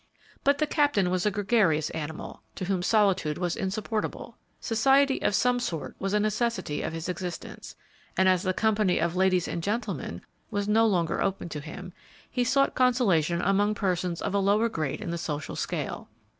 But the Captain was a gregarious animal, to whom solitude was insupportable. Society of some sort was a necessity of his existence, and as the company of ladies and gentlemen, was no longer open to him, he sought consolation among persons of a lower grade in the social scale.